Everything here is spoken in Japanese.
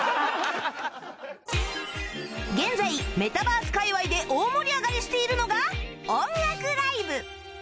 現在メタバース界隈で大盛り上がりしているのが音楽 ＬＩＶＥ